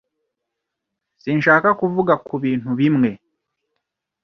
Sinshaka kuvuga kubintu bimwe.